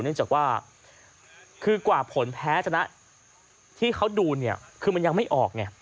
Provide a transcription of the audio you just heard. เนื่องจากว่าคือกว่าผลแพ้ที่เขาดูคือมันยังไม่ออก